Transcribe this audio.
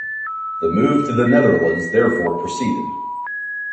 The move to the Netherlands therefore proceeded.